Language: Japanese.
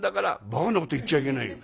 「ばかなこと言っちゃいけないよ。